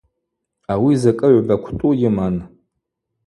Ауи закӏы-гӏвба квтӏу йыман.